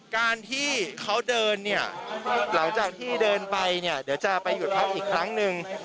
การที่เขาเดินเนี่ยหลังจากที่เดินไปเนี่ยเดี๋ยวจะไปหยุดพักอีกครั้งหนึ่ง